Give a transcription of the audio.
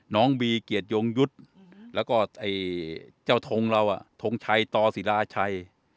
น้องบีเกียรติยงยุทธ์แล้วก็เจ้าทงเราทงชัยต่อศิราชัย